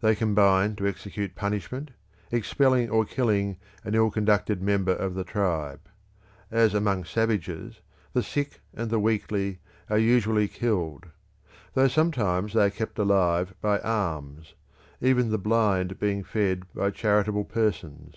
They combine to execute punishment, expelling or killing an ill conducted member of the tribe. As among savages, the sick and the weakly are usually killed: though sometimes they are kept alive by alms; even the blind being fed by charitable persons.